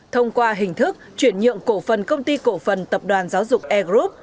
thông qua hình thức chuyển nhượng cổ phần công ty cổ phần tập đoàn giáo dục e group